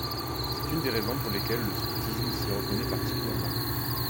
C'est une des raisons pour lesquelles le scoutisme s'y reconnait particulièrement.